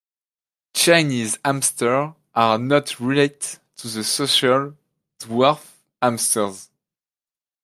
Chinese hamsters are not related to the social "dwarf" hamsters.